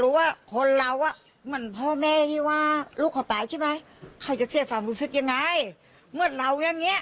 รู้ว่าคนเราอ่ะมันพาแม่ที่ว่าลูกเขาตายใช่ไหมเขาจะเชี่ย